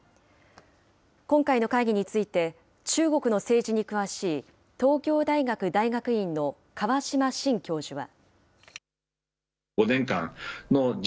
今回の会議について中国の政治に詳しい、東京大学大学院の川島真教授は。